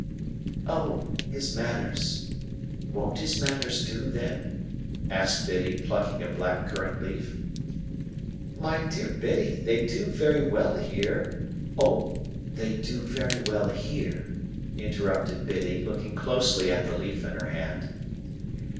"O, his manners! won't his manners do then?" asked Biddy, plucking a black currant leaf. "My dear Biddy, they do very well here—" "O! they do very well here?" interrupted Biddy, looking closely at the leaf in her hand.